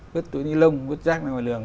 vứt túi níu lông vứt rác ra ngoài đường